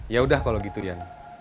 yaudah kalau gitu yan